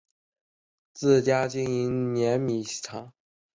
自家经营碾米厂